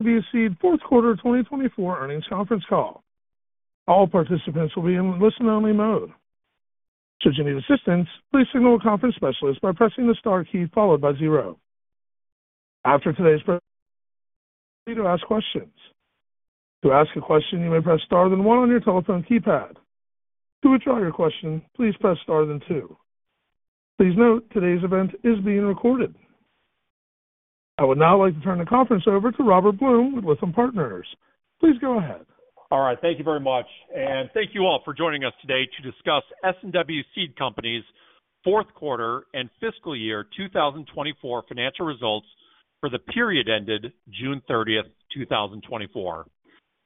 S&W Seed Fourth Quarter 2024 Earnings Conference Call. All participants will be in listen-only mode. Should you need assistance, please signal a conference specialist by pressing the star key followed by zero. After today's presentation, please proceed to ask questions. To ask a question, you may press star then one on your telephone keypad. To withdraw your question, please press star then two. Please note, today's event is being recorded. I would now like to turn the conference over to Robert Blum with Lytham Partners. Please go ahead. All right. Thank you very much. And thank you all for joining us today to discuss S&W Seed Company's Fourth Quarter and Fiscal Year 2024 financial results for the period ended June 30th, 2024.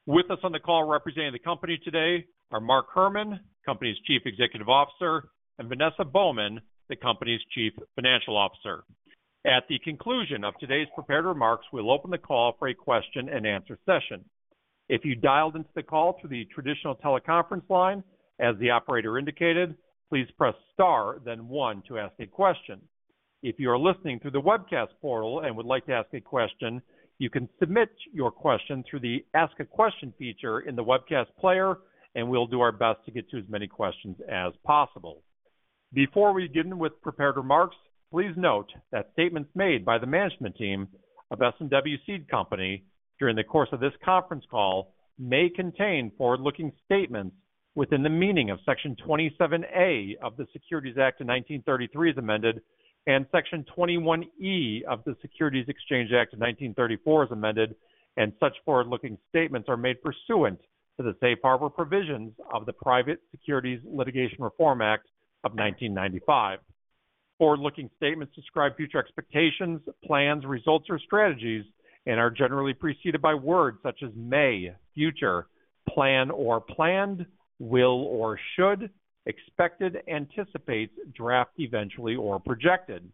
With us on the call representing the company today are Mark Herrmann, the Company's Chief Executive Officer, and Vanessa Baughman, the Company's Chief Financial Officer. At the conclusion of today's prepared remarks, we'll open the call for a question-and-answer session. If you dialed into the call through the traditional teleconference line, as the operator indicated, please press star then one to ask a question. If you are listening through the webcast portal and would like to ask a question, you can submit your question through the Ask a Question feature in the webcast player, and we'll do our best to get to as many questions as possible. Before we begin with prepared remarks, please note that statements made by the management team of S&W Seed Company during the course of this conference call may contain forward-looking statements within the meaning of Section 27A of the Securities Act of 1933 as amended, and Section 21E of the Securities Exchange Act of 1934 as amended, and such forward-looking statements are made pursuant to the safe harbor provisions of the Private Securities Litigation Reform Act of 1995. Forward-looking statements describe future expectations, plans, results, or strategies, and are generally preceded by words such as may, future, plan or planned, will or should, expected, anticipates, intend, estimate, or projected.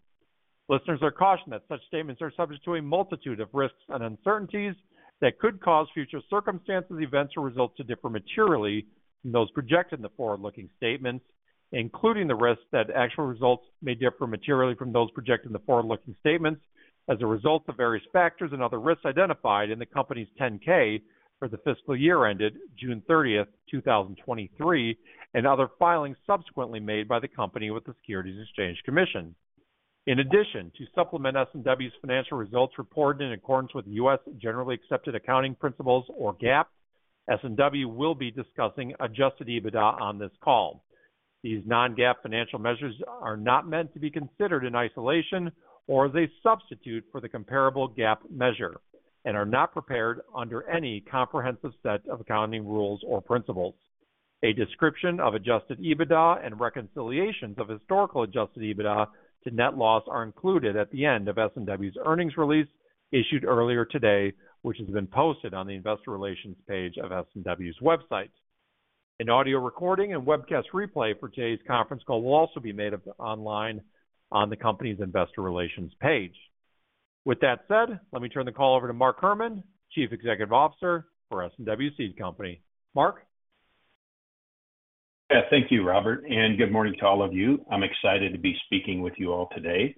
Listeners are cautioned that such statements are subject to a multitude of risks and uncertainties that could cause future circumstances, events, or results to differ materially from those projected in the forward-looking statements, including the risk that actual results may differ materially from those projected in the forward-looking statements as a result of various factors and other risks identified in the company's 10-K for the fiscal year ended June 30th, 2023, and other filings subsequently made by the company with the Securities and Exchange Commission. In addition to supplement S&W's financial results reported in accordance with U.S. Generally Accepted Accounting Principles, or GAAP, S&W will be discussing Adjusted EBITDA on this call. These non-GAAP financial measures are not meant to be considered in isolation or as a substitute for the comparable GAAP measure and are not prepared under any comprehensive set of accounting rules or principles. A description of Adjusted EBITDA and reconciliations of historical Adjusted EBITDA to net loss are included at the end of S&W's earnings release issued earlier today, which has been posted on the investor relations page of S&W's website. An audio recording and webcast replay for today's conference call will also be made online on the company's investor relations page. With that said, let me turn the call over to Mark Herrmann, Chief Executive Officer for S&W Seed Company. Mark? Yeah, thank you, Robert. And good morning to all of you. I'm excited to be speaking with you all today.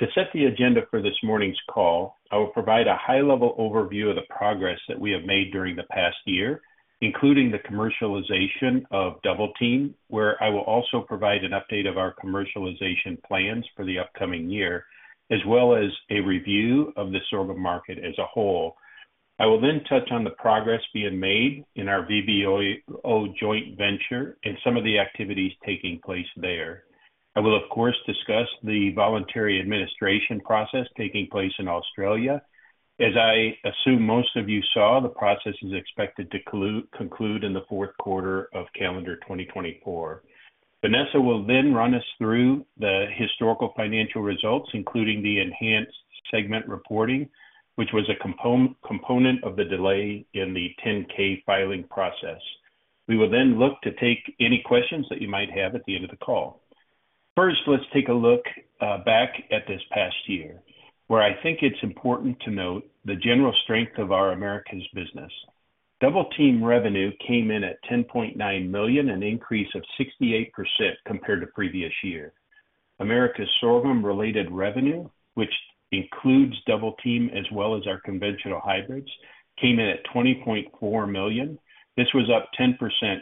To set the agenda for this morning's call, I will provide a high-level overview of the progress that we have made during the past year, including the commercialization of Double Team, where I will also provide an update of our commercialization plans for the upcoming year, as well as a review of the sorghum market as a whole. I will then touch on the progress being made in our VBO joint venture and some of the activities taking place there. I will, of course, discuss the voluntary administration process taking place in Australia. As I assume most of you saw, the process is expected to conclude in the fourth quarter of calendar 2024. Vanessa will then run us through the historical financial results, including the enhanced segment reporting, which was a component of the delay in the 10-K filing process. We will then look to take any questions that you might have at the end of the call. First, let's take a look back at this past year, where I think it's important to note the general strength of our Americas business. Double Team revenue came in at $10.9 million, an increase of 68% compared to previous year. Americas sorghum-related revenue, which includes Double Team as well as our conventional hybrids, came in at $20.4 million. This was up 10%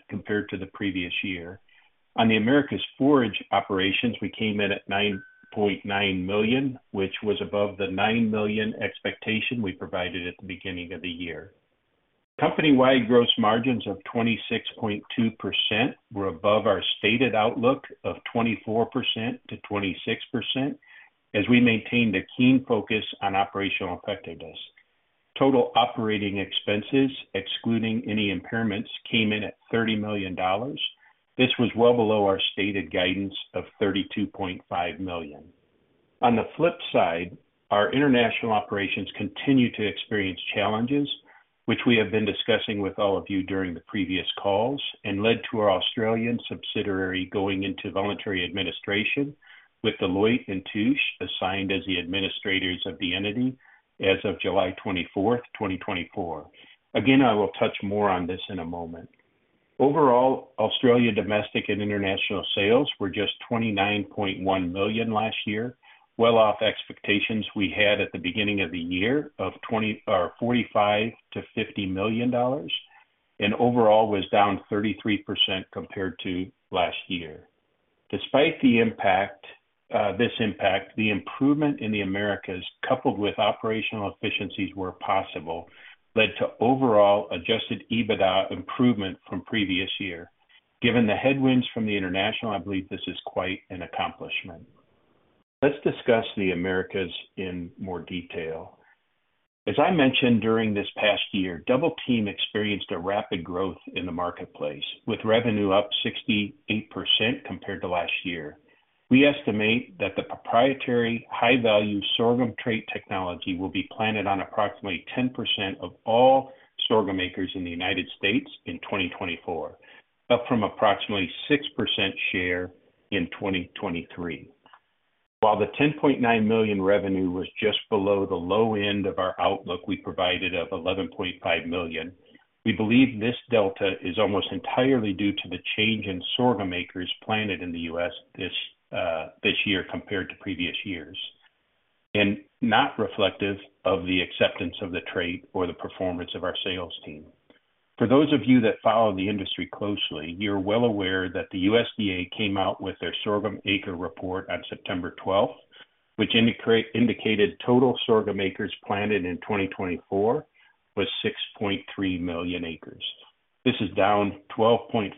compared to the previous year. On the Americas forage operations, we came in at $9.9 million, which was above the $9 million expectation we provided at the beginning of the year. Company-wide gross margins of 26.2% were above our stated outlook of 24%-26% as we maintained a keen focus on operational effectiveness. Total operating expenses, excluding any impairments, came in at $30 million. This was well below our stated guidance of $32.5 million. On the flip side, our international operations continue to experience challenges, which we have been discussing with all of you during the previous calls, and led to our Australian subsidiary going into voluntary administration with Deloitte & Touche assigned as the administrators of the entity as of July 24th, 2024. Again, I will touch more on this in a moment. Overall, Australia's domestic and international sales were just $29.1 million last year, well off expectations we had at the beginning of the year of $45-$50 million, and overall was down 33% compared to last year. Despite this impact, the improvement in the Americas, coupled with operational efficiencies where possible, led to overall Adjusted EBITDA improvement from previous year. Given the headwinds from the international, I believe this is quite an accomplishment. Let's discuss the Americas in more detail. As I mentioned, during this past year, Double Team experienced a rapid growth in the marketplace, with revenue up 68% compared to last year. We estimate that the proprietary high-value sorghum trait technology will be planted on approximately 10% of all sorghum acres in the United States in 2024, up from approximately 6% share in 2023. While the $10.9 million revenue was just below the low end of our outlook we provided of $11.5 million, we believe this delta is almost entirely due to the change in sorghum acres planted in the U.S. This year compared to previous years, and not reflective of the acceptance of the trait or the performance of our sales team. For those of you that follow the industry closely, you're well aware that the USDA came out with their sorghum acreage report on September 12th, which indicated total sorghum acres planted in 2024 was 6.3 million acres. This is down 12.5%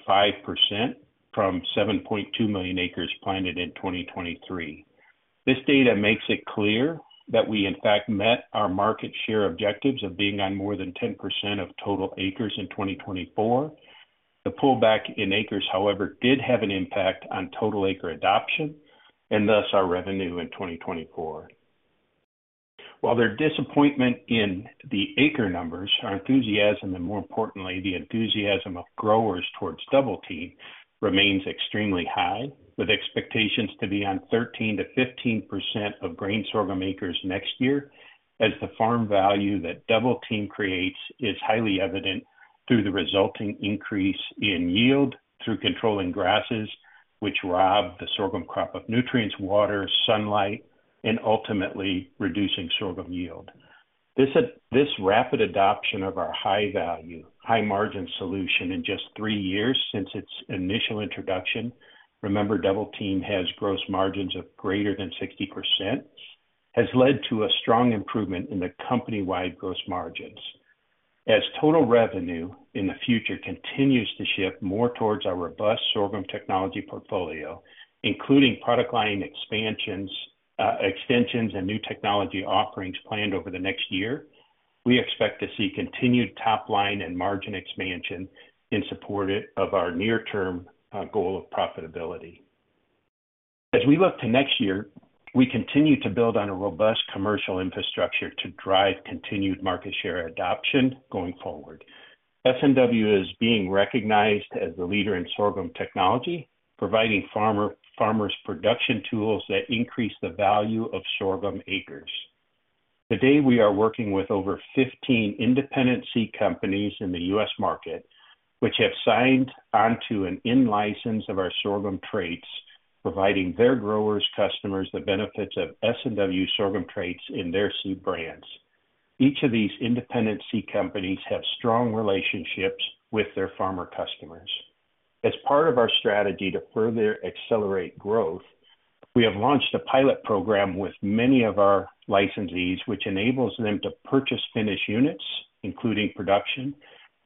from 7.2 million acres planted in 2023. This data makes it clear that we, in fact, met our market share objectives of being on more than 10% of total acres in 2024. The pullback in acres, however, did have an impact on total acre adoption and thus our revenue in 2024. While their disappointment in the acre numbers, our enthusiasm, and more importantly, the enthusiasm of growers towards Double Team, remains extremely high, with expectations to be on 13%-15% of grain sorghum acres next year, as the farm value that Double Team creates is highly evident through the resulting increase in yield through controlling grasses, which rob the sorghum crop of nutrients, water, sunlight, and ultimately reducing sorghum yield. This rapid adoption of our high-value, high-margin solution in just three years since its initial introduction (remember, Double Team has gross margins of greater than 60%) has led to a strong improvement in the company-wide gross margins. As total revenue in the future continues to shift more towards our robust sorghum technology portfolio, including product line extensions and new technology offerings planned over the next year, we expect to see continued top line and margin expansion in support of our near-term goal of profitability. As we look to next year, we continue to build on a robust commercial infrastructure to drive continued market share adoption going forward. S&W is being recognized as the leader in sorghum technology, providing farmers' production tools that increase the value of sorghum acres. Today, we are working with over 15 independent seed companies in the U.S. market, which have signed onto an in-license of our sorghum traits, providing their growers' customers the benefits of S&W sorghum traits in their seed brands. Each of these independent seed companies has strong relationships with their farmer customers. As part of our strategy to further accelerate growth, we have launched a pilot program with many of our licensees, which enables them to purchase finished units, including production,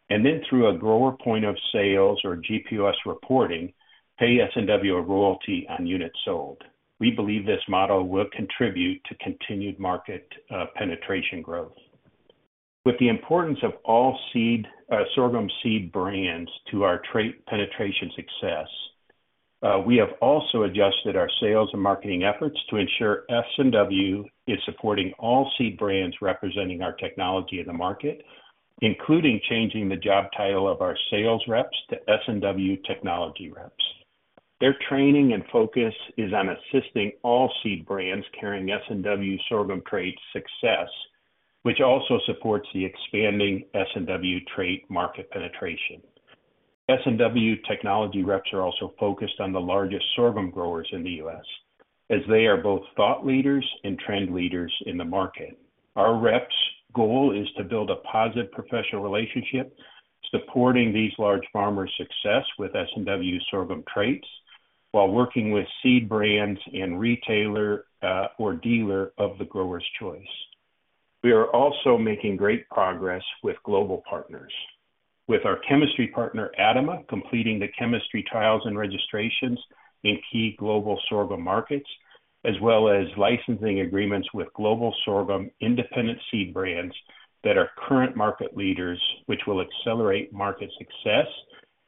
and then, through a grower point of sales or GPOS reporting, pay S&W a royalty on units sold. We believe this model will contribute to continued market penetration growth. With the importance of all sorghum seed brands to our trait penetration success, we have also adjusted our sales and marketing efforts to ensure S&W is supporting all seed brands representing our technology in the market, including changing the job title of our sales reps to S&W technology reps. Their training and focus is on assisting all seed brands carrying S&W sorghum trait success, which also supports the expanding S&W trait market penetration. S&W technology reps are also focused on the largest sorghum growers in the U.S., as they are both thought leaders and trend leaders in the market. Our reps' goal is to build a positive professional relationship, supporting these large farmers' success with S&W sorghum traits, while working with seed brands and retailer or dealer of the grower's choice. We are also making great progress with global partners, with our chemistry partner, ADAMA, completing the chemistry trials and registrations in key global sorghum markets, as well as licensing agreements with global sorghum independent seed brands that are current market leaders, which will accelerate market success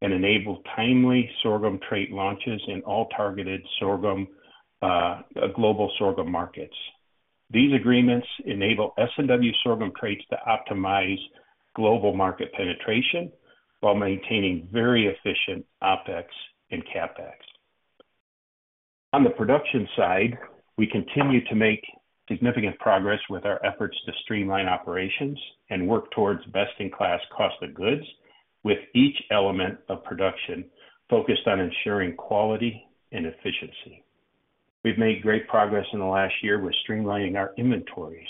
and enable timely sorghum trait launches in all targeted global sorghum markets. These agreements enable S&W sorghum traits to optimize global market penetration while maintaining very efficient OpEx and CapEx. On the production side, we continue to make significant progress with our efforts to streamline operations and work towards best-in-class cost of goods with each element of production, focused on ensuring quality and efficiency. We've made great progress in the last year with streamlining our inventories.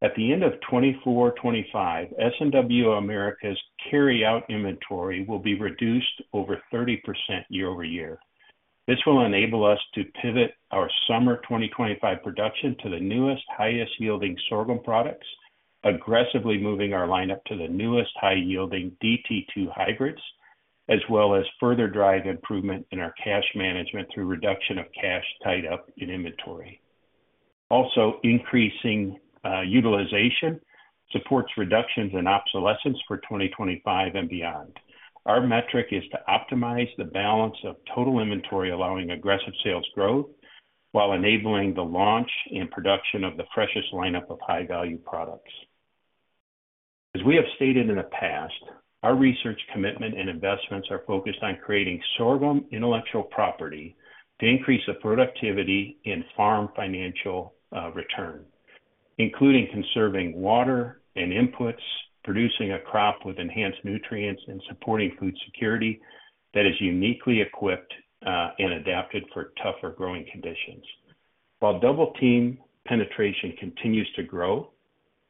At the end of 2024/2025, S&W Americas carry-out inventory will be reduced over 30% year over year. This will enable us to pivot our summer 2025 production to the newest, highest-yielding sorghum products, aggressively moving our lineup to the newest high-yielding DT2 hybrids, as well as further drive improvement in our cash management through reduction of cash tied up in inventory. Also, increasing utilization supports reductions in obsolescence for 2025 and beyond. Our metric is to optimize the balance of total inventory allowing aggressive sales growth while enabling the launch and production of the freshest lineup of high-value products. As we have stated in the past, our research commitment and investments are focused on creating sorghum intellectual property to increase the productivity and farm financial return, including conserving water and inputs, producing a crop with enhanced nutrients, and supporting food security that is uniquely equipped and adapted for tougher growing conditions. While Double Team penetration continues to grow,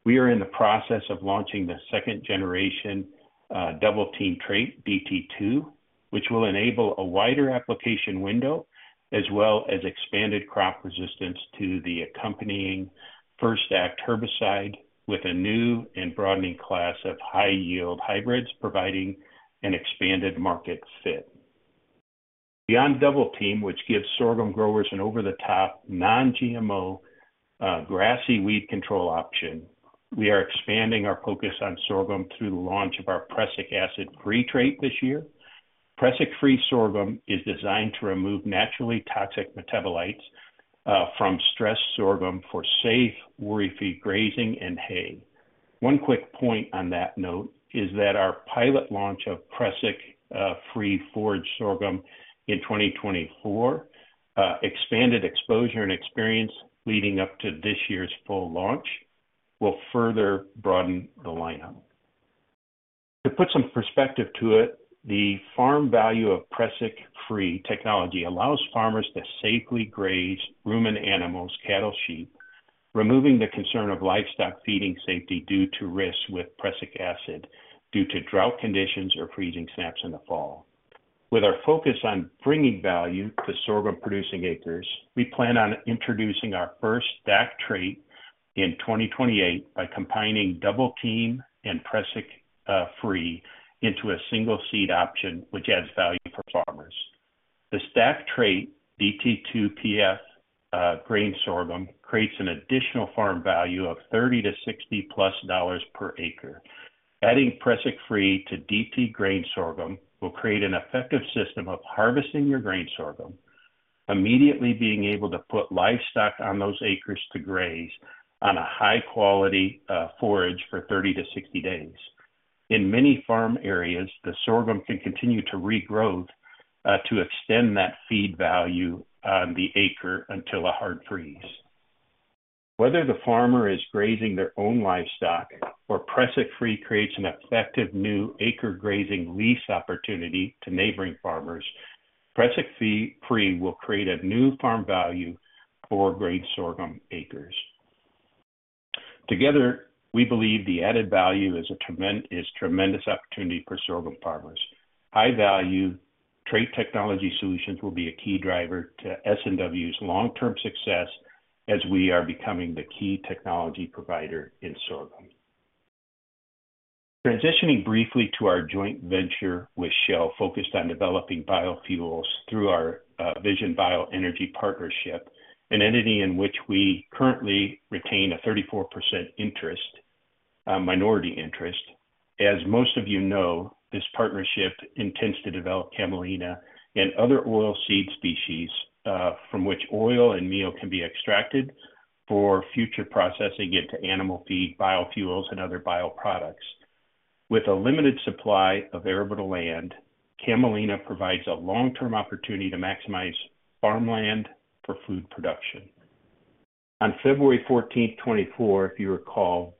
we are in the process of launching the second-generation Double Team trait, DT2, which will enable a wider application window as well as expanded crop resistance to the accompanying FirstAct herbicide with a new and broadening class of high-yield hybrids, providing an expanded market fit. Beyond Double Team, which gives sorghum growers an over-the-top non-GMO grassy weed control option, we are expanding our focus on sorghum through the launch of our Prussic Free trait this year. Prussic Free sorghum is designed to remove naturally toxic metabolites from stressed sorghum for safe, worry-free grazing and hay. One quick point on that note is that our pilot launch of Prussic Free forage sorghum in 2024 expanded exposure and experience leading up to this year's full launch. This will further broaden the lineup. To put some perspective to it, the farm value of Prussic Free technology allows farmers to safely graze ruminant animals, cattle, and sheep, removing the concern of livestock feeding safety due to risks with prussic acid due to drought conditions or freezing snaps in the fall. With our focus on bringing value to sorghum-producing acres, we plan on introducing our first stacked trait in 2028 by combining Double Team and Prussic Free into a single seed option, which adds value for farmers. The stacked trait, DT2 PF grain sorghum, creates an additional farm value of $30-$60 plus per acre. Adding Prussic Free to DT grain sorghum will create an effective system of harvesting your grain sorghum, immediately being able to put livestock on those acres to graze on a high-quality forage for 30 to 60 days. In many farm areas, the sorghum can continue to regrow to extend that feed value on the acre until a hard freeze. Whether the farmer is grazing their own livestock or Prussic Free creates an effective new acre grazing lease opportunity to neighboring farmers, Prussic Free will create a new farm value for grain sorghum acres. Together, we believe the added value is a tremendous opportunity for sorghum farmers. High-value trait technology solutions will be a key driver to S&W's long-term success as we are becoming the key technology provider in sorghum. Transitioning briefly to our joint venture with Shell, focused on developing biofuels through our Vision Bioenergy partnership, an entity in which we currently retain a 34% minority interest. As most of you know, this partnership intends to develop camelina and other oil seed species from which oil and meal can be extracted for future processing into animal feed, biofuels, and other bio products. With a limited supply of arable land, camelina provides a long-term opportunity to maximize farmland for food production. On February 14th, 2024, if you recall,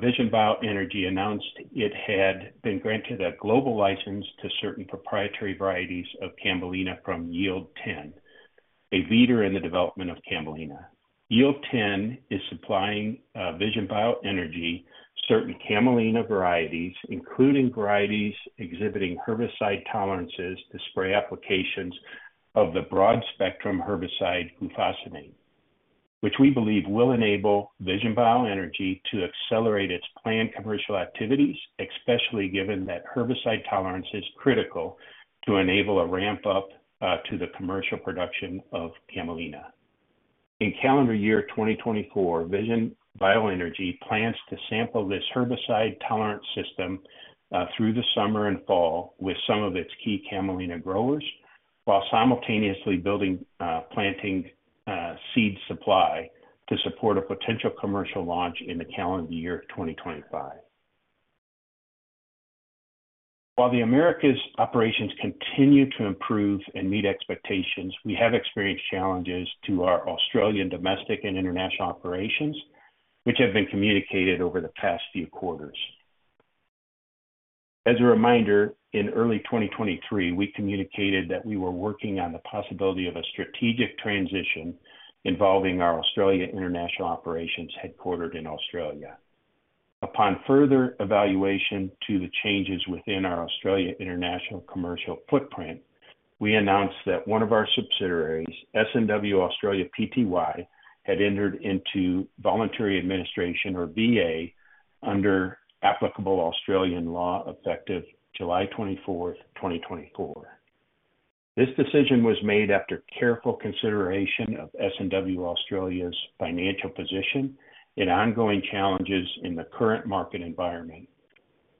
Vision Bioenergy announced it had been granted a global license to certain proprietary varieties of camelina from Yield10, a leader in the development of camelina. Yield10 is supplying Vision Bioenergy certain camelina varieties, including varieties exhibiting herbicide tolerances to spray applications of the broad-spectrum herbicide glufosinate, which we believe will enable Vision Bioenergy to accelerate its planned commercial activities, especially given that herbicide tolerance is critical to enable a ramp-up to the commercial production of camelina. In calendar year 2024, Vision Bioenergy plans to sample this herbicide tolerance system through the summer and fall with some of its key camelina growers, while simultaneously planting seed supply to support a potential commercial launch in the calendar year 2025. While the Americas' operations continue to improve and meet expectations, we have experienced challenges to our Australian domestic and international operations, which have been communicated over the past few quarters. As a reminder, in early 2023, we communicated that we were working on the possibility of a strategic transition involving our Australian International Operations headquartered in Australia. Upon further evaluation of the changes within our Australian International Commercial Footprint, we announced that one of our subsidiaries, S&W Australia Pty Ltd, had entered into voluntary administration or VA under applicable Australian law effective July 24th, 2024. This decision was made after careful consideration of S&W Australia's financial position and ongoing challenges in the current market environment.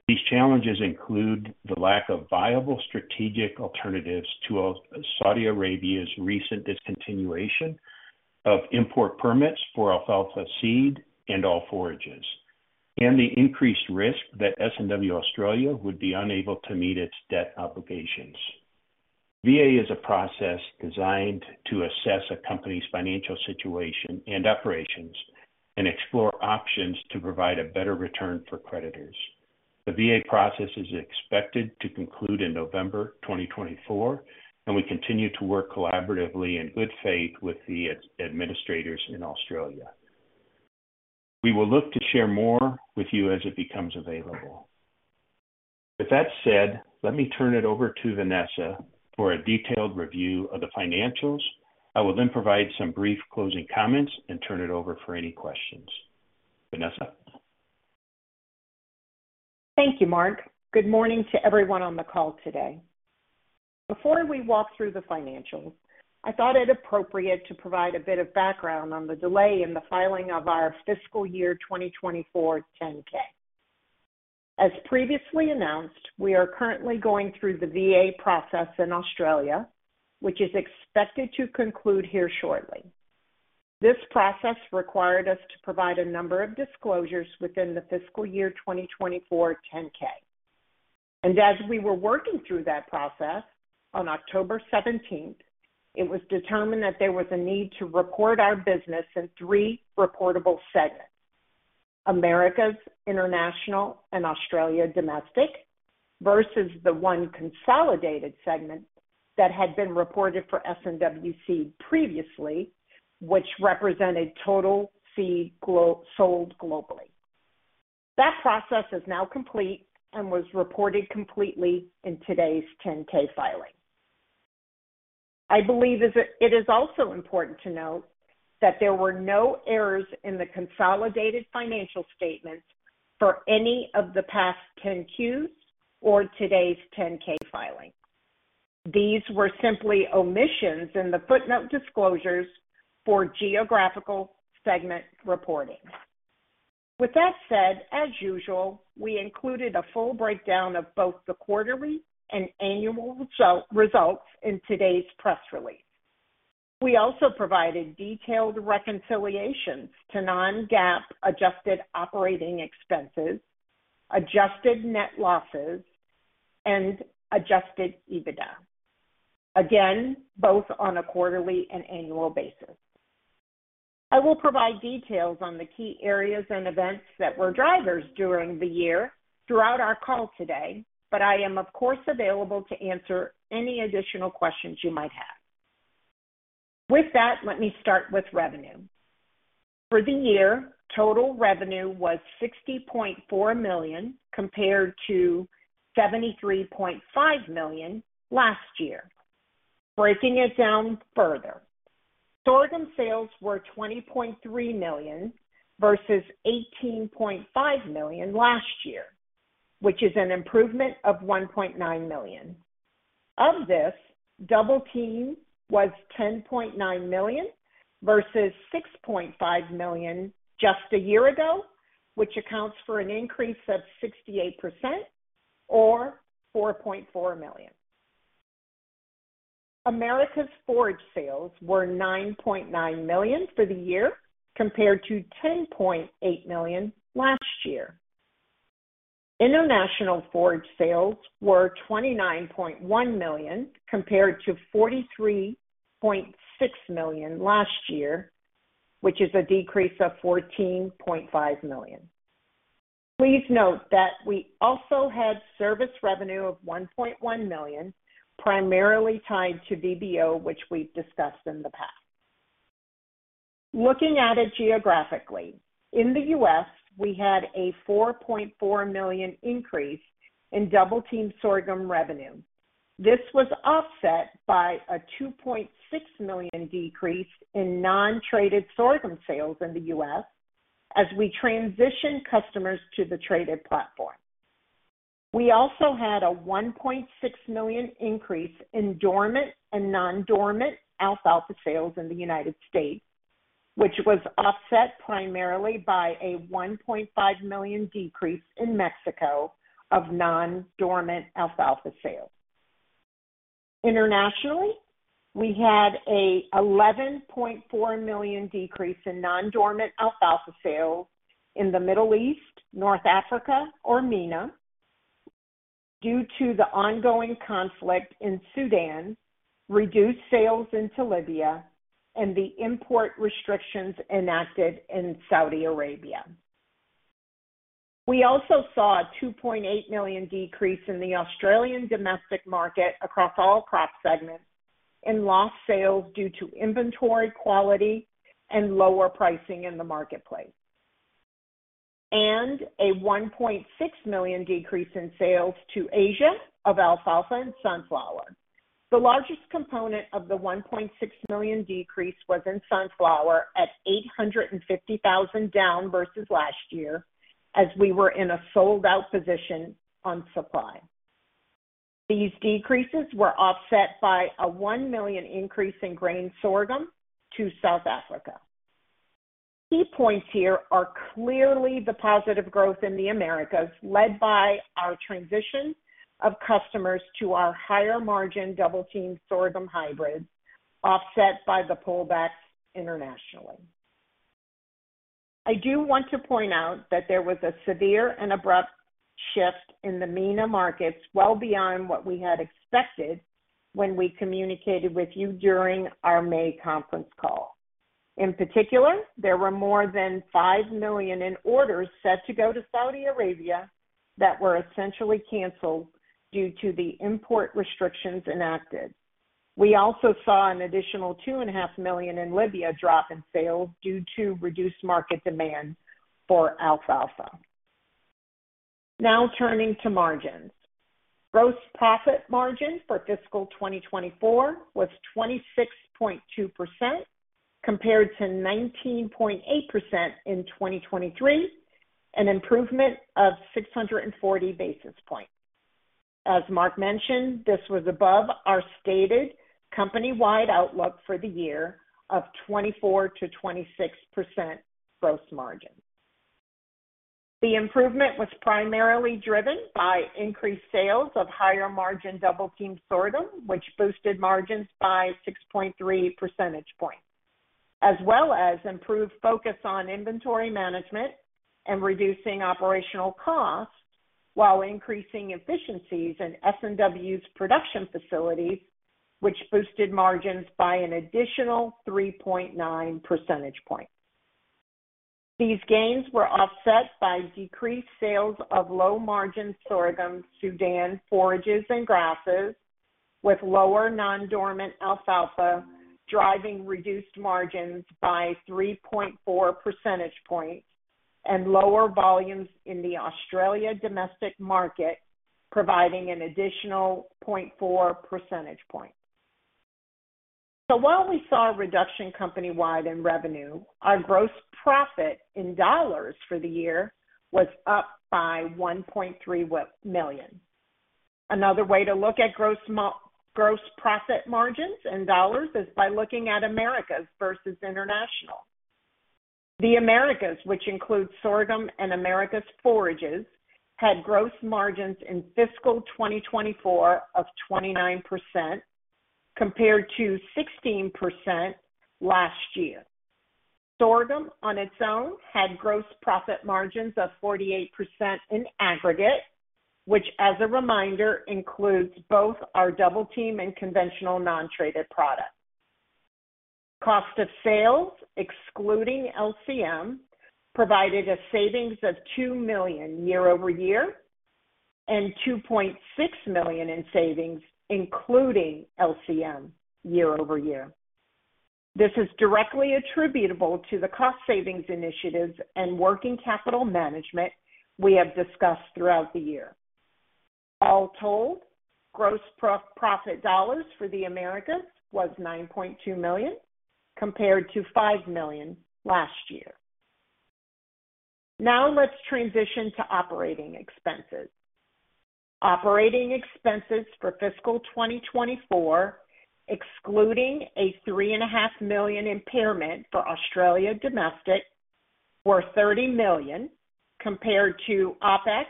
These challenges include the lack of viable strategic alternatives to Saudi Arabia's recent discontinuation of import permits for alfalfa seed and all forages, and the increased risk that S&W Australia would be unable to meet its debt obligations. VA is a process designed to assess a company's financial situation and operations and explore options to provide a better return for creditors. The VA process is expected to conclude in November 2024, and we continue to work collaboratively in good faith with the administrators in Australia. We will look to share more with you as it becomes available. With that said, let me turn it over to Vanessa for a detailed review of the financials. I will then provide some brief closing comments and turn it over for any questions. Vanessa. Thank you, Mark. Good morning to everyone on the call today. Before we walk through the financials, I thought it appropriate to provide a bit of background on the delay in the filing of our fiscal year 2024 10-K. As previously announced, we are currently going through the VA process in Australia, which is expected to conclude here shortly. This process required us to provide a number of disclosures within the fiscal year 2024 10-K. As we were working through that process on October 17th, it was determined that there was a need to report our business in three reportable segments: Americas, international, and Australia domestic versus the one consolidated segment that had been reported for S&W Seed previously, which represented total seed sold globally. That process is now complete and was reported completely in today's 10-K filing. I believe it is also important to note that there were no errors in the consolidated financial statements for any of the past 10-Qs or today's 10-K filing. These were simply omissions in the footnote disclosures for geographical segment reporting. With that said, as usual, we included a full breakdown of both the quarterly and annual results in today's press release. We also provided detailed reconciliations to non-GAAP adjusted operating expenses, adjusted net losses, and Adjusted EBITDA, again, both on a quarterly and annual basis. I will provide details on the key areas and events that were drivers during the year throughout our call today, but I am, of course, available to answer any additional questions you might have. With that, let me start with revenue. For the year, total revenue was $60.4 million compared to $73.5 million last year. Breaking it down further, sorghum sales were $20.3 million versus $18.5 million last year, which is an improvement of $1.9 million. Of this, Double Team was $10.9 million versus $6.5 million just a year ago, which accounts for an increase of 68% or $4.4 million. Americas forage sales were $9.9 million for the year compared to $10.8 million last year. International forage sales were $29.1 million compared to $43.6 million last year, which is a decrease of $14.5 million. Please note that we also had service revenue of $1.1 million, primarily tied to VBO, which we've discussed in the past. Looking at it geographically, in the U.S., we had a $4.4 million increase in Double Team sorghum revenue. This was offset by a $2.6 million decrease in non-traited sorghum sales in the U.S. as we transitioned customers to the traited platform. We also had a $1.6 million increase in dormant and non-dormant alfalfa sales in the United States, which was offset primarily by a $1.5 million decrease in Mexico of non-dormant alfalfa sales. Internationally, we had an $11.4 million decrease in non-dormant alfalfa sales in the Middle East, North Africa, or MENA due to the ongoing conflict in Sudan, reduced sales into Libya, and the import restrictions enacted in Saudi Arabia. We also saw a $2.8 million decrease in the Australian domestic market across all crop segments in lost sales due to inventory quality and lower pricing in the marketplace, and a $1.6 million decrease in sales to Asia of alfalfa and sunflower. The largest component of the $1.6 million decrease was in sunflower at $850,000 down versus last year as we were in a sold-out position on supply. These decreases were offset by a $1 million increase in grain sorghum to South Africa. Key points here are clearly the positive growth in the Americas, led by our transition of customers to our higher-margin Double Team sorghum hybrids, offset by the pullback internationally. I do want to point out that there was a severe and abrupt shift in the MENA markets well beyond what we had expected when we communicated with you during our May conference call. In particular, there were more than $5 million in orders set to go to Saudi Arabia that were essentially canceled due to the import restrictions enacted. We also saw an additional $2.5 million in Libya drop in sales due to reduced market demand for alfalfa. Now turning to margins. Gross profit margin for fiscal 2024 was 26.2% compared to 19.8% in 2023, an improvement of 640 basis points. As Mark mentioned, this was above our stated company-wide outlook for the year of 24%-26% gross margin. The improvement was primarily driven by increased sales of higher-margin Double Team sorghum, which boosted margins by 6.3 percentage points, as well as improved focus on inventory management and reducing operational costs while increasing efficiencies in S&W's production facilities, which boosted margins by an additional 3.9 percentage points. These gains were offset by decreased sales of low-margin sorghum, Sudan forages and grasses, with lower non-dormant alfalfa driving reduced margins by 3.4 percentage points and lower volumes in the Australia domestic market, providing an additional 0.4 percentage points. So while we saw a reduction company-wide in revenue, our gross profit in dollars for the year was up by $1.3 million. Another way to look at gross profit margins in dollars is by looking at Americas versus international. The Americas, which includes sorghum and Americas forages, had gross margins in fiscal 2024 of 29% compared to 16% last year. Sorghum on its own had gross profit margins of 48% in aggregate, which, as a reminder, includes both our Double Team and conventional non-traited products. Cost of sales, excluding LCM, provided a savings of $2 million year-over-year and $2.6 million in savings, including LCM, year-over-year. This is directly attributable to the cost savings initiatives and working capital management we have discussed throughout the year. All told, gross profit dollars for the Americas was $9.2 million compared to $5 million last year. Now let's transition to operating expenses. Operating expenses for fiscal 2024, excluding a $3.5 million impairment for Australia domestic, were $30 million compared to OpEx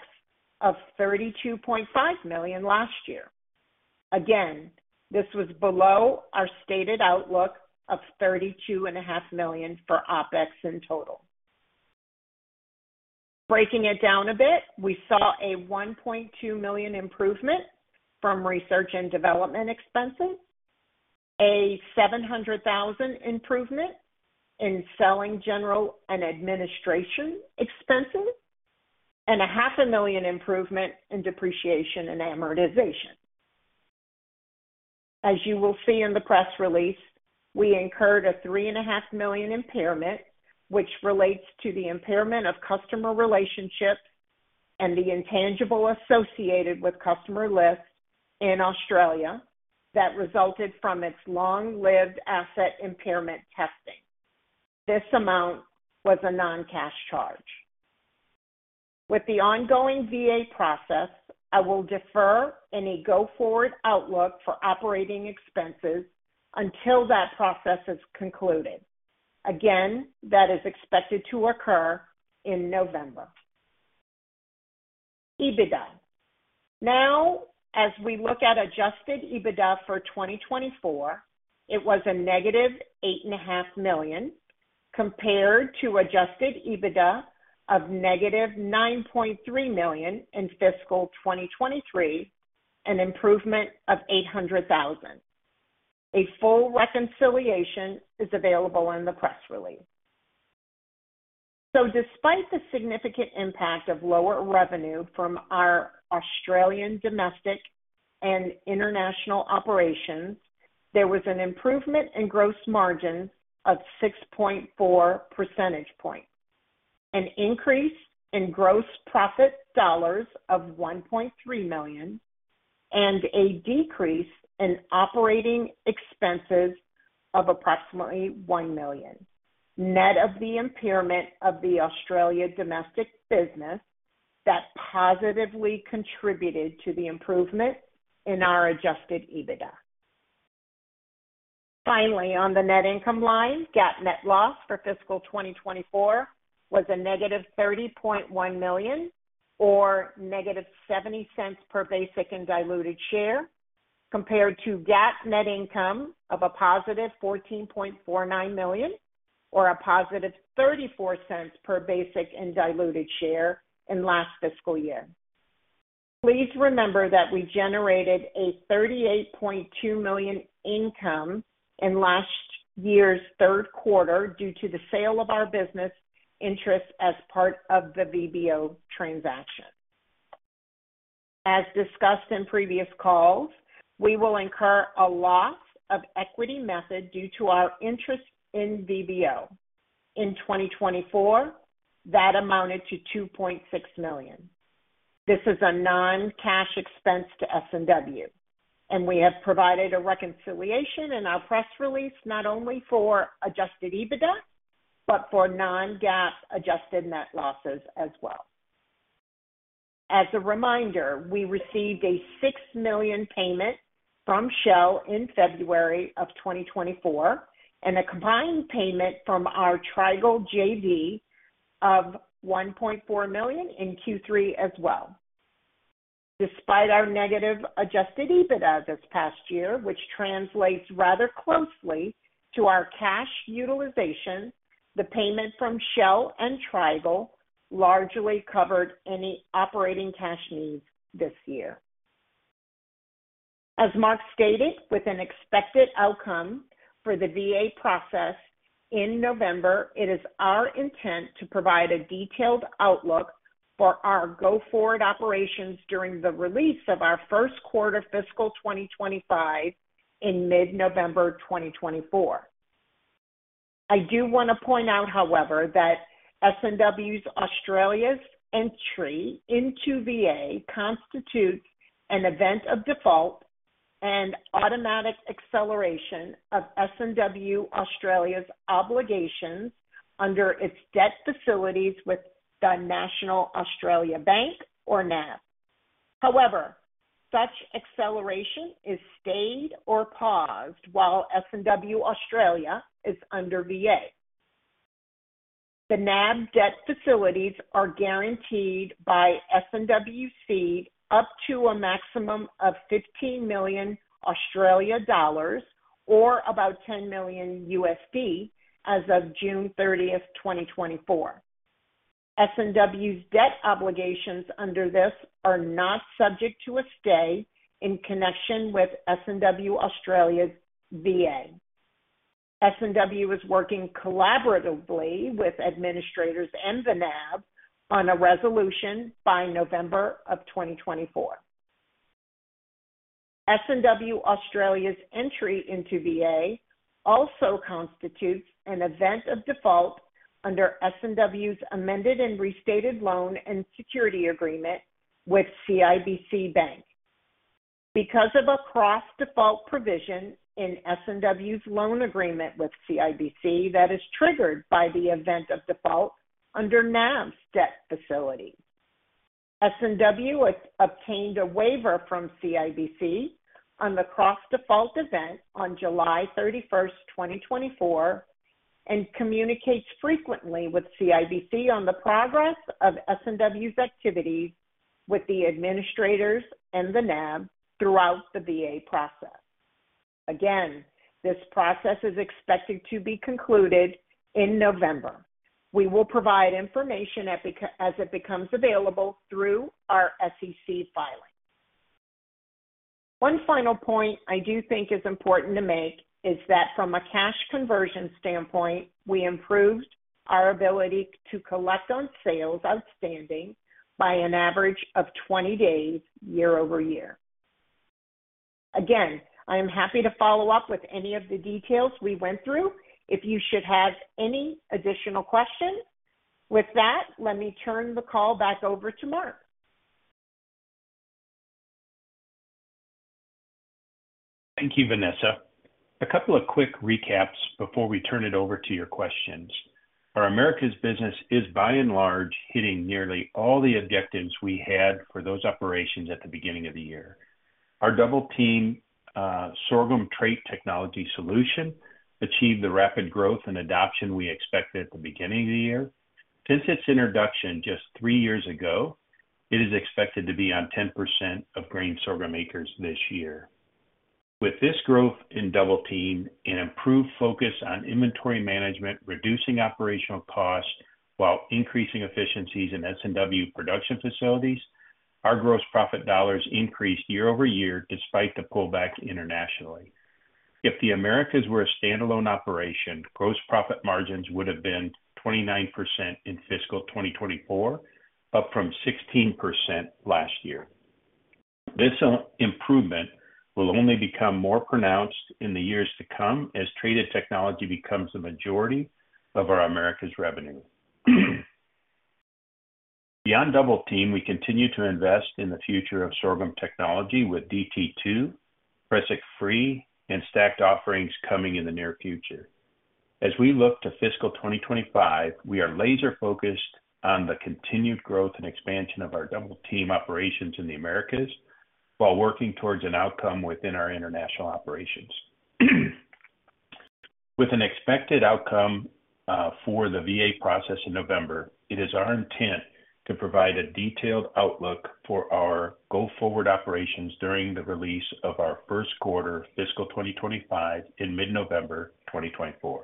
of $32.5 million last year. Again, this was below our stated outlook of $32.5 million for OpEx in total. Breaking it down a bit, we saw a $1.2 million improvement from research and development expenses, a $700,000 improvement in selling general and administration expenses, and a $500,000 improvement in depreciation and amortization. As you will see in the press release, we incurred a $3.5 million impairment, which relates to the impairment of customer relationships and the intangible associated with customer lists in Australia that resulted from its long-lived asset impairment testing. This amount was a non-cash charge. With the ongoing VA process, I will defer any go-forward outlook for operating expenses until that process is concluded. Again, that is expected to occur in November. EBITDA. Now, as we look at Adjusted EBITDA for 2024, it was a negative $8.5 million compared to Adjusted EBITDA of negative $9.3 million in fiscal 2023, an improvement of $800,000. A full reconciliation is available in the press release. Despite the significant impact of lower revenue from our Australian domestic and international operations, there was an improvement in gross margins of 6.4 percentage points, an increase in gross profit dollars of $1.3 million, and a decrease in operating expenses of approximately $1 million, net of the impairment of the Australia domestic business that positively contributed to the improvement in our Adjusted EBITDA. Finally, on the net income line, GAAP net loss for fiscal 2024 was a negative $30.1 million or negative $0.70 per basic and diluted share compared to GAAP net income of a positive $14.49 million or a positive $0.34 per basic and diluted share in last fiscal year. Please remember that we generated a $38.2 million income in last year's third quarter due to the sale of our business interests as part of the VBO transaction. As discussed in previous calls, we will incur a loss of equity method due to our interest in VBO. In 2024, that amounted to $2.6 million. This is a non-cash expense to S&W, and we have provided a reconciliation in our press release not only for Adjusted EBITDA but for non-GAAP adjusted net losses as well. As a reminder, we received a $6 million payment from Shell in February of 2024 and a combined payment from our Trigall JV of $1.4 million in Q3 as well. Despite our negative Adjusted EBITDA this past year, which translates rather closely to our cash utilization, the payment from Shell and Trigall largely covered any operating cash needs this year. As Mark stated, with an expected outcome for the VA process in November, it is our intent to provide a detailed outlook for our go-forward operations during the release of our first quarter fiscal 2025 in mid-November 2024. I do want to point out, however, that S&W Australia's entry into VA constitutes an event of default and automatic acceleration of S&W Australia's obligations under its debt facilities with the National Australia Bank or NAB. However, such acceleration is stayed or paused while S&W Australia is under VA. The NAB debt facilities are guaranteed by S&W Seed up to a maximum of 15 million dollars or about $10 million USD as of June 30, 2024. S&W's debt obligations under this are not subject to a stay in connection with S&W Australia's VA. S&W is working collaboratively with administrators and the NAB on a resolution by November of 2024. S&W Australia's entry into VA also constitutes an event of default under S&W's amended and restated loan and security agreement with CIBC Bank because of a cross-default provision in S&W's loan agreement with CIBC that is triggered by the event of default under NAB's debt facility. S&W obtained a waiver from CIBC on the cross-default event on July 31st, 2024, and communicates frequently with CIBC on the progress of S&W's activities with the administrators and the NAB throughout the VA process. Again, this process is expected to be concluded in November. We will provide information as it becomes available through our SEC filing. One final point I do think is important to make is that from a cash conversion standpoint, we improved our ability to collect on sales outstanding by an average of 20 days year-over-year. Again, I am happy to follow up with any of the details we went through if you should have any additional questions. With that, let me turn the call back over to Mark. Thank you, Vanessa. A couple of quick recaps before we turn it over to your questions. Our Americas business is, by and large, hitting nearly all the objectives we had for those operations at the beginning of the year. Our Double Team sorghum trait technology solution achieved the rapid growth and adoption we expected at the beginning of the year. Since its introduction just three years ago, it is expected to be on 10% of grain sorghum acres this year. With this growth in Double Team and improved focus on inventory management, reducing operational costs while increasing efficiencies in S&W production facilities, our gross profit dollars increased year-over-year despite the pullback internationally. If the Americas were a standalone operation, gross profit margins would have been 29% in fiscal 2024, up from 16% last year. This improvement will only become more pronounced in the years to come as traited technology becomes the majority of our Americas revenue. Beyond Double Team, we continue to invest in the future of sorghum technology with DT2, Prussic Free, and stacked offerings coming in the near future. As we look to fiscal 2025, we are laser-focused on the continued growth and expansion of our Double Team operations in the Americas while working towards an outcome within our international operations. With an expected outcome for the VA process in November, it is our intent to provide a detailed outlook for our go-forward operations during the release of our first quarter fiscal 2025 in mid-November 2024.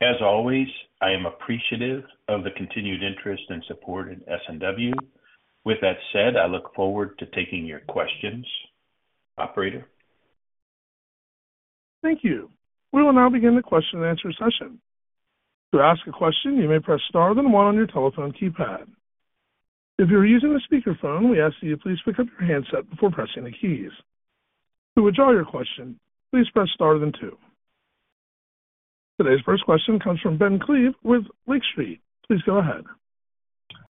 As always, I am appreciative of the continued interest and support in S&W. With that said, I look forward to taking your questions, Operator. Thank you. We will now begin the question-and-answer session. To ask a question, you may press star then one on your telephone keypad. If you're using a speakerphone, we ask that you please pick up your handset before pressing the keys. To withdraw your question, please press star then two. Today's first question comes from Ben Klieve with Lake Street. Please go ahead.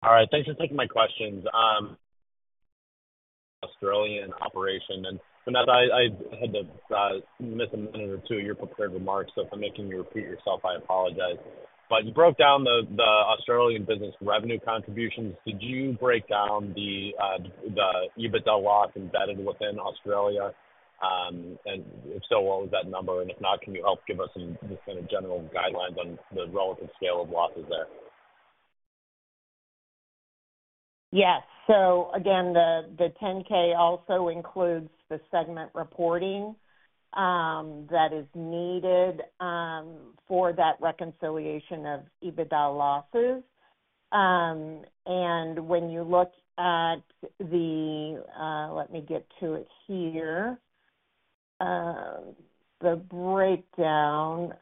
All right. Thanks for taking my questions. Australian operation. And Vanessa, I had to miss a minute or two of your prepared remarks, so if I'm making you repeat yourself, I apologize. But you broke down the Australian business revenue contributions. Did you break down the EBITDA loss embedded within Australia? And if so, what was that number? And if not, can you help give us some kind of general guidelines on the relative scale of losses there? Yes. So again, the 10-K also includes the segment reporting that is needed for that reconciliation of EBITDA losses. And when you look at the, let me get to it here, the breakdown.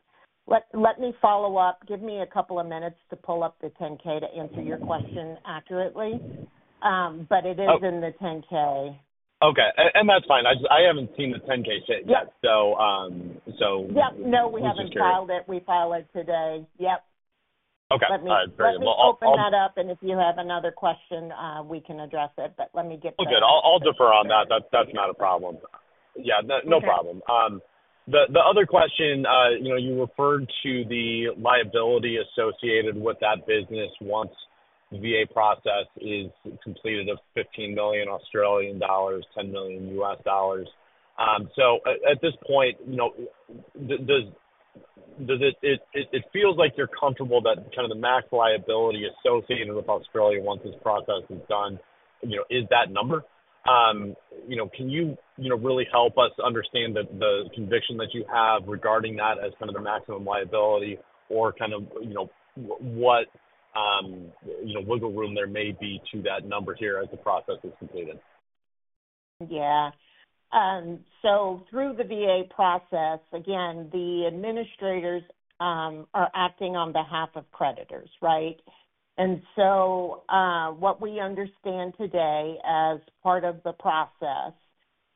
Let me follow up. Give me a couple of minutes to pull up the 10-K to answer your question accurately. But it is in the 10-K. Okay. And that's fine. I haven't seen the 10-K yet, so. Yep. No, we haven't filed it. We filed it today. Yep. Let me open that up. And if you have another question, we can address it. But let me get that. Well, good. I'll defer on that. That's not a problem. Yeah. No problem. The other question, you referred to the liability associated with that business once the VA process is completed of 15 million Australian dollars, $10 million. So at this point, it feels like you're comfortable that kind of the max liability associated with Australia once this process is done, is that number? Can you really help us understand the conviction that you have regarding that as kind of the maximum liability or kind of what wiggle room there may be to that number here as the process is completed? Yeah. So through the VA process, again, the administrators are acting on behalf of creditors, right? And so what we understand today as part of the process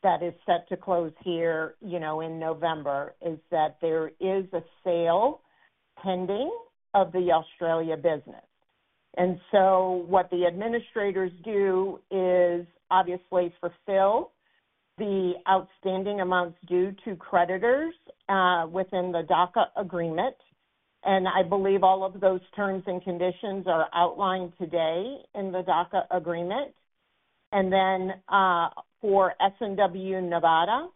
that is set to close here in November is that there is a sale pending of the Australia business. What the administrators do is, obviously, fulfill the outstanding amounts due to creditors within the DOCA agreement. I believe all of those terms and conditions are outlined today in the DOCA agreement. Then for S&W Nevada,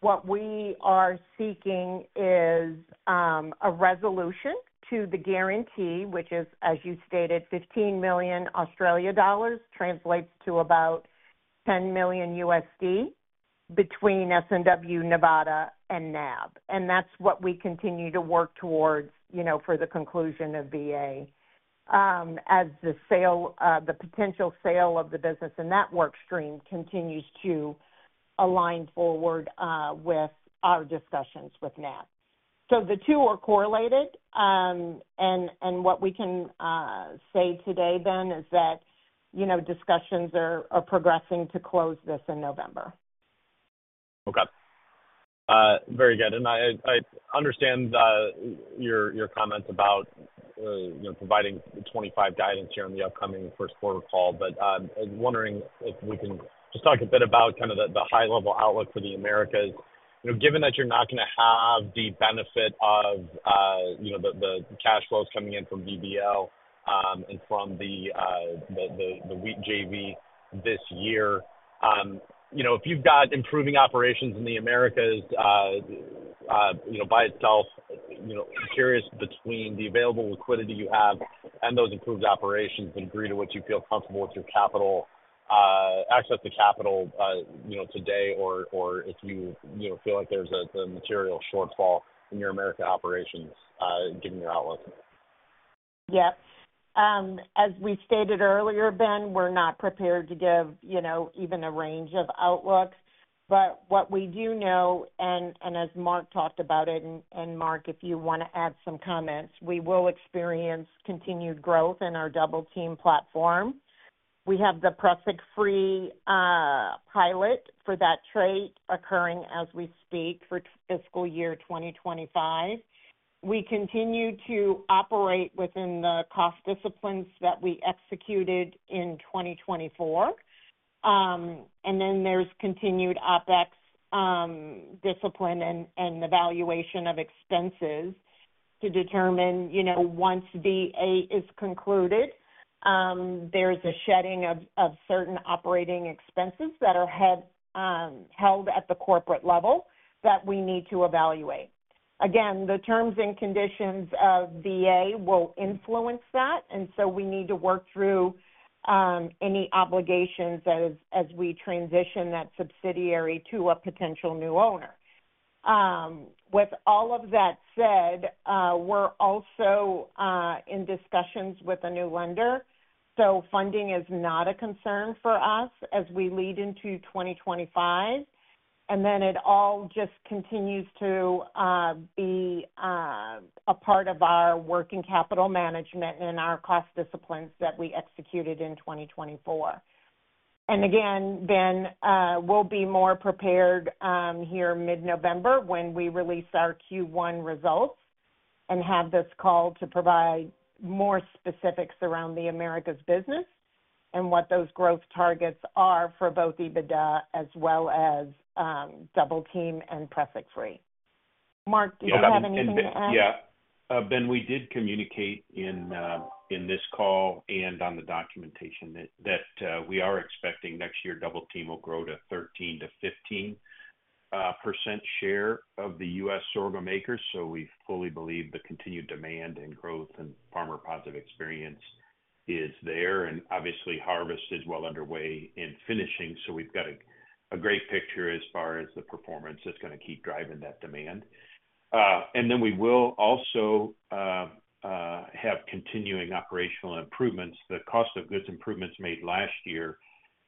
what we are seeking is a resolution to the guarantee, which is, as you stated, 15 million dollars, translates to about $10 million between S&W Nevada and NAB. That's what we continue to work towards for the conclusion of VA as the potential sale of the business. That work stream continues to align forward with our discussions with NAB. The two are correlated. What we can say today then is that discussions are progressing to close this in November. Okay. Very good. I understand your comments about providing the 25 guidance here in the upcoming first quarter call. But I'm wondering if we can just talk a bit about kind of the high-level outlook for the Americas. Given that you're not going to have the benefit of the cash flows coming in from VBO and from the Wheat JV this year, if you've got improving operations in the Americas by itself, I'm curious between the available liquidity you have and those improved operations, would it agree to what you feel comfortable with your access to capital today or if you feel like there's a material shortfall in your America operations given your outlook? Yep. As we stated earlier, Ben, we're not prepared to give even a range of outlooks. But what we do know, and as Mark talked about it, and Mark, if you want to add some comments, we will experience continued growth in our Double Team platform. We have the Prussic Free pilot for that trait occurring as we speak for fiscal year 2025. We continue to operate within the cost disciplines that we executed in 2024, and then there's continued OpEx discipline and the valuation of expenses to determine once VA is concluded, there's a shedding of certain operating expenses that are held at the corporate level that we need to evaluate. Again, the terms and conditions of VA will influence that, and so we need to work through any obligations as we transition that subsidiary to a potential new owner. With all of that said, we're also in discussions with a new lender, so funding is not a concern for us as we lead into 2025, and then it all just continues to be a part of our working capital management and our cost disciplines that we executed in 2024. And again, Ben, we'll be more prepared here mid-November when we release our Q1 results and have this call to provide more specifics around the Americas business and what those growth targets are for both EBITDA as well as Double Team and Prussic Free. Mark, do you have anything to add? Yeah. Ben, we did communicate in this call and on the documentation that we are expecting next year Double Team will grow to 13%-15% share of the U.S. sorghum acres. So we fully believe the continued demand and growth and farmer-positive experience is there. And obviously, harvest is well underway and finishing. So we've got a great picture as far as the performance that's going to keep driving that demand. And then we will also have continuing operational improvements. The cost of goods improvements made last year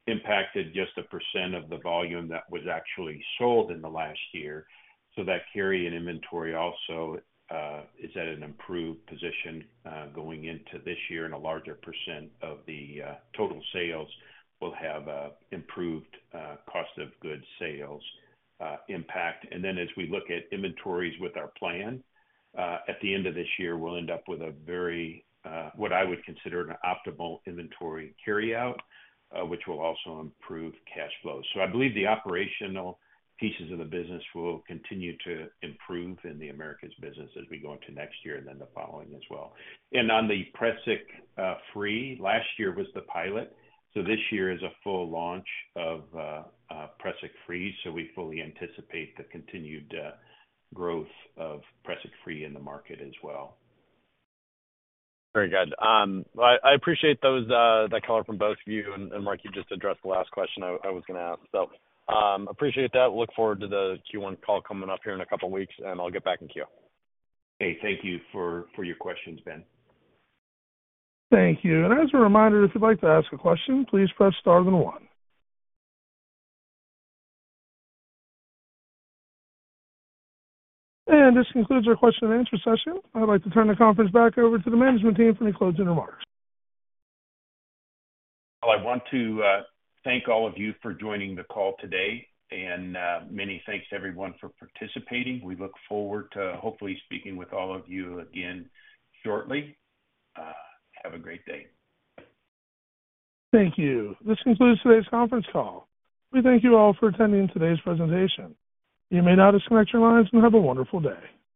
impacted just 1% of the volume that was actually sold in the last year, so that carry in inventory also is at an improved position going into this year, and a larger % of the total sales will have improved cost of goods sales impact, and then as we look at inventories with our plan, at the end of this year, we'll end up with a very, what I would consider an optimal inventory carryout, which will also improve cash flows, so I believe the operational pieces of the business will continue to improve in the Americas business as we go into next year and then the following as well, and on the Prussic Free, last year was the pilot, so this year is a full launch of Prussic Free. So we fully anticipate the continued growth of Prussic Free in the market as well. Very good. I appreciate the color from both of you. And Mark, you just addressed the last question I was going to ask. So appreciate that. Look forward to the Q1 call coming up here in a couple of weeks. And I'll get back in queue. Okay. Thank you for your questions, Ben. Thank you. And as a reminder, if you'd like to ask a question, please press star then one. And this concludes our question-and-answer session. I'd like to turn the conference back over to the management team for any closing remarks. Well, I want to thank all of you for joining the call today. And many thanks to everyone for participating. We look forward to hopefully speaking with all of you again shortly. Have a great day. Thank you. This concludes today's conference call. We thank you all for attending today's presentation. You may now disconnect your lines and have a wonderful day.